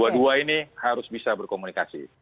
semua ini harus bisa berkomunikasi